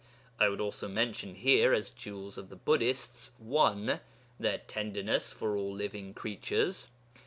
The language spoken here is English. I would also mention here as 'jewels' of the Buddhists (1) their tenderness for all living creatures.